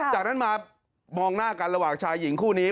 จากนั้นมามองหน้ากันระหว่างชายหญิงคู่นี้